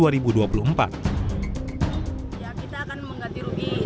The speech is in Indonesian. rumahnya itu ganti rugi